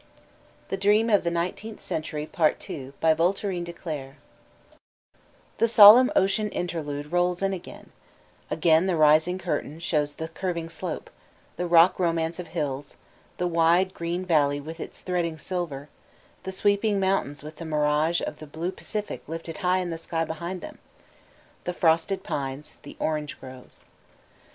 {The Drama of the Nineteenth Century 393 Slowly the curtain falls on the fair prisoner and the glowering God The solenm ocean interlude rolls in again; again the rising curtain shows the curving slope, the rock romance of hills, the wide, green valley with its threading silver, the sweeping mountains with the mirage of the blue Pa cific lifted high in the sky behind them, the frosted pines, the orange groves.